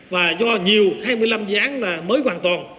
và do nhiều hai mươi năm dự án là mới hoàn toàn